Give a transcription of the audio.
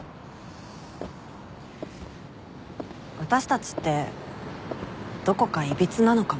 私たちってどこかいびつなのかも。